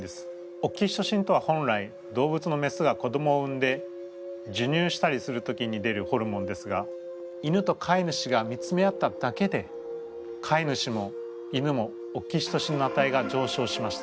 オキシトシンとは本来動物のメスが子どもを産んでじゅにゅうしたりする時に出るホルモンですが犬と飼い主が見つめ合っただけで飼い主も犬もオキシトシンのあたいが上昇しました。